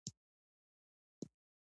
د یو بل په درد دردمن شئ.